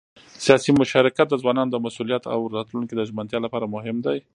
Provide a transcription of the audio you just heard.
سیاسي مشارکت د ځوانانو د مسؤلیت او راتلونکي د ژمنتیا لپاره مهم دی